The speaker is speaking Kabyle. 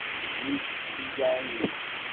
Bnin seksu-ya-inem.